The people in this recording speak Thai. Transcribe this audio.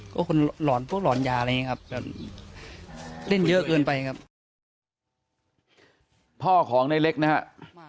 ก็คนหลอนพวกหลอนยาอะไรอย่างนี้ครับแบบเล่นเยอะเกินไปครับพ่อของในเล็กนะฮะ